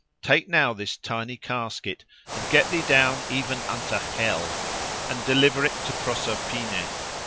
Take now this tiny casket, and get thee down even unto hell, and deliver it to Proserpine.